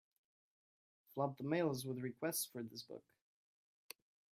Flood the mails with requests for this book.